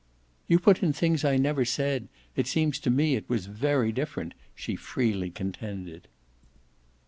"You put in things I never said. It seems to me it was very different," she freely contended.